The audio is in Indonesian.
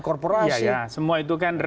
korporasi semua itu kan